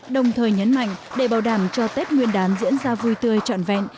đồng thời nhấn mạnh để bảo đảm cho tết nguyên đán diễn ra vui tươi trọn vẹn